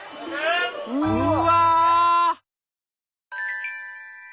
うわ！